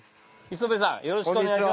磯部さんよろしくお願いします。